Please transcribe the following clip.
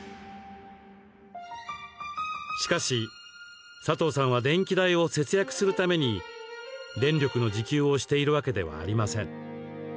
しかし、サトウさんは電気代を節約するために、電力の自給をしているわけではありません。